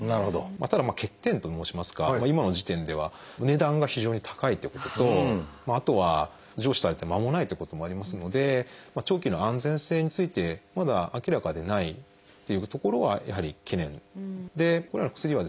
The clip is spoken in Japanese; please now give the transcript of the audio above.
ただ欠点と申しますか今の時点では値段が非常に高いってこととあとは上市されてまもないってこともありますので長期の安全性についてまだ明らかでないっていうところはやはり懸念でこのような薬はですね